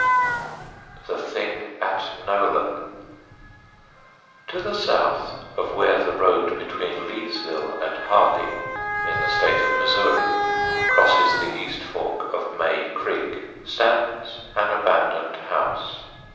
THE THING AT NOLAN TO the south of where the road between Leesville and Hardy, in the State of Missouri, crosses the east fork of May Creek stands an abandoned house.